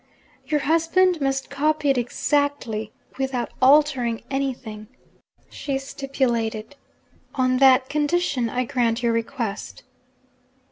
'Your husband must copy it exactly, without altering anything,' she stipulated. 'On that condition, I grant your request.'